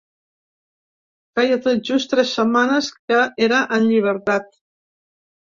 Feia tot just tres setmanes que era en llibertat.